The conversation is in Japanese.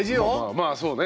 まあそうね。